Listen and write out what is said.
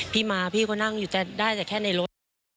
พี่มาพี่เขานั่งอยู่จะได้แต่แค่ในรถ